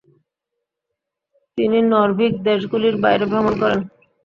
তিনি নর্ডিক দেশগুলির বাইরে ভ্রমণ করেন।